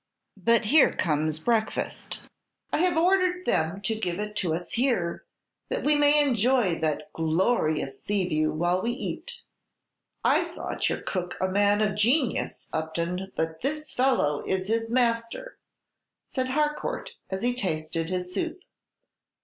"But here comes breakfast. I have ordered them to give it to us here, that we may enjoy that glorious sea view while we eat." "I thought your cook a man of genius, Upton, but this fellow is his master," said Harcourt, as he tasted his soup.